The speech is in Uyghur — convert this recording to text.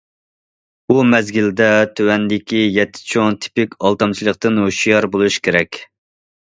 بۇ مەزگىلدە تۆۋەندىكى يەتتە چوڭ تىپىك ئالدامچىلىقتىن ھوشيار بولۇش كېرەك!